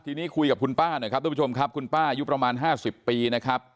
ทีนี้คุยกับคุณป้าหน่อยครับทุกผู้ชมครับคุณป้าอายุประมาณ๕๐ปีนะครับ